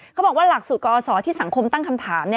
เขาบอกว่าหลักสูตรกอศที่สังคมตั้งคำถาม